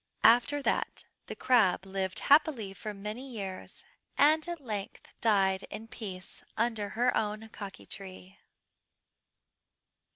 "After that the crab lived happily for many years, and at length died in peace under her own kaki tree.